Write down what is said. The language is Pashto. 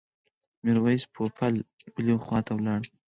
میرویس پوپل بلې خواته ولاړ.